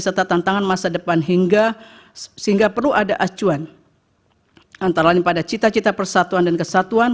serta tantangan masa depan hingga sehingga perlu ada acuan antara lain pada cita cita persatuan dan kesatuan